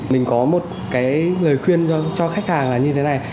mình có một cái lời khuyên cho khách hàng là như thế này